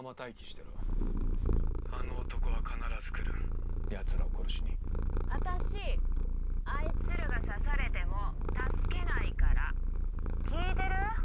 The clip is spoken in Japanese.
てろあの男は必ず来るヤツらを殺しに私あいつらが刺されても助けないから聞いてる？